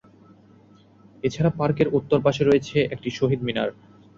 এছাড়া পার্কের উত্তর পাশে রয়েছে একটি শহীদ মিনার।